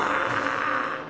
あ！